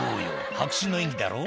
迫真の演技だろ」